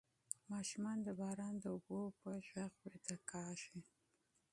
ماشومان د باران د اوبو په غږ ویده کیږي.